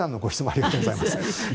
ありがとうございます。